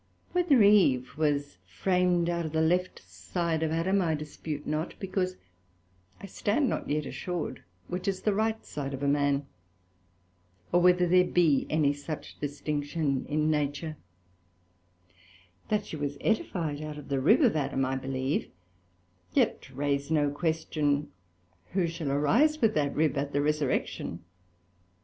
Whether Eve was framed out of the left side of Adam, I dispute not; because I stand not yet assured which is the right side of a man, or whether there be any such distinction in Nature: that she was edified out of the Rib of Adam, I believe, yet raise no question who shall arise with that Rib at the Resurrection.